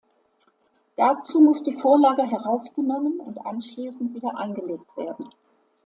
Dazu muss die Vorlage herausgenommen und anschließend wieder eingelegt werden.